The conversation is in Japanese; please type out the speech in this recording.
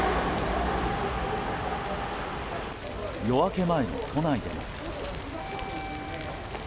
夜明け前の都内でも。